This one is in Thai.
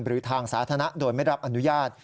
หรือทางสาธารณะโดยไม่รับอนุญาต